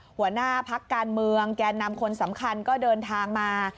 หัวหน้าพักการเมืองแก่นำคนสำคัญก็เดินทางมา